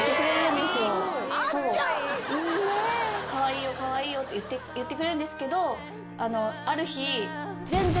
「カワイイよカワイイよ」って言ってくれるんですけどある日。